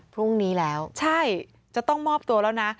พรุ่งนี้แล้วใช่จะต้องมอบตัวแล้วนะ